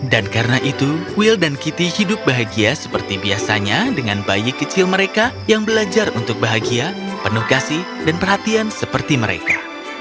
dan karena itu will dan kitty hidup bahagia seperti biasanya dengan bayi kecil mereka yang belajar untuk bahagia penuh kasih dan perhatian seperti mereka